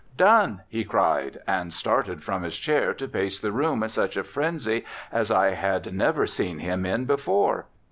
"Done!" he cried, and started from his chair to pace the room in such a frenzy as I had never seen him in before.